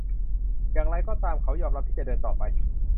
อย่างไรก็ตาม เขายอมรับที่จะเดินต่อไป